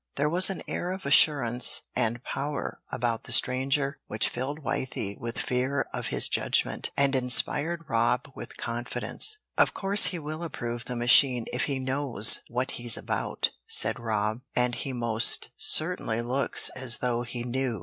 There was an air of assurance and power about the stranger which filled Wythie with fear of his judgment, and inspired Rob with confidence. "Of course he will approve the machine if he knows what he's about," said Rob, "and he most certainly looks as though he knew."